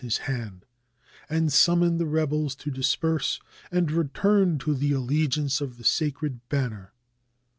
his hand, and summoned the rebels to disperse and return to the allegiance of the sacred ban ner.